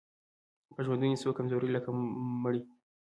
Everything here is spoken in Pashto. په ژوندوني سو کمزوری لکه مړی